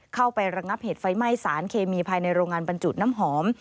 ระงับเหตุไฟไหม้สารเคมีภายในโรงงานบรรจุน้ำหอม